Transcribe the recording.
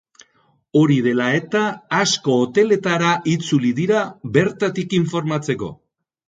Hori dela eta, asko hoteletara itzuli dira, bertatik informatzeko.